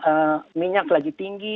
demand minyak lagi tinggi